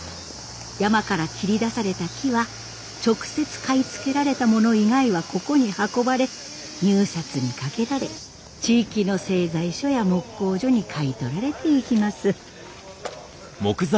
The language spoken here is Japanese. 山から切り出された木は直接買い付けられたもの以外はここに運ばれ入札にかけられ地域の製材所や木工所に買い取られていきます。